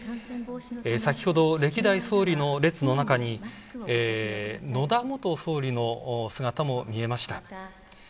先ほど、歴代総理の列の中に野田元総理の姿も見えました。